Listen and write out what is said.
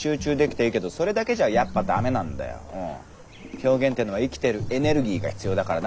「表現」ってのは生きてるエネルギーが必要だからな。